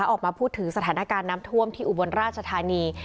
ออกมาพูดถึงสถานการณ์น้ำท่วมที่อุบลราชธานี